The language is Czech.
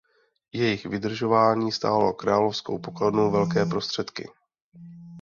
Jejich vydržování stálo královskou pokladnu velké prostředky.